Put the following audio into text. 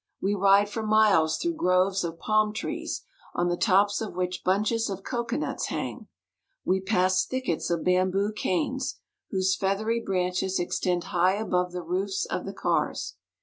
We ride for miles through groves of palm trees, on the tops of which bunches of cocoanuts hang. We pass thickets of bamboo canes, whose feathery branches extend high above the roofs of the cars.